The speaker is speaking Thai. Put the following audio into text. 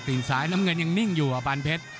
กระปริงซ้ายลำเงินยังนิ่งอยู่อ่ะปลานเพชร